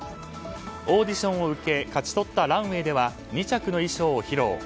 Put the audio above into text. オーディションを受け勝ち取ったランウェーでは２着の衣装を披露。